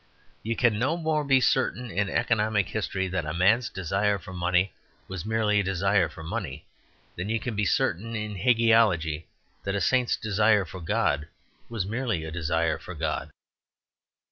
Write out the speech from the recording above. You can no more be certain in economic history that a man's desire for money was merely a desire for money than you can be certain in hagiology that a saint's desire for God was merely a desire for God.